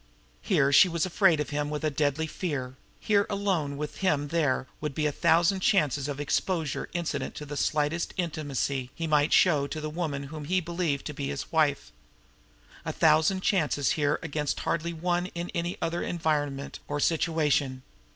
Here she was afraid of him with a deadly fear; here alone with him there would be a thousand chances of exposure incident to the slightest intimacy he might show the woman whom he believed to be his wife a thousand chances here against hardly one in any other environment or situation.